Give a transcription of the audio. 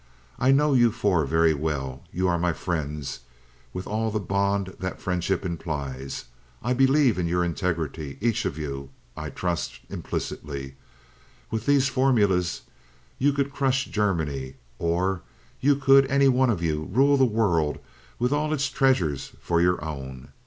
I know you four very well. You are my friends, with all the bond that friendship implies. I believe in your integrity each of you I trust implicitly. With these formulas you could crush Germany, or you could, any one of you, rule the world, with all its treasures for your own.